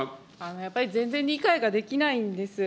やっぱり全然理解ができないんです。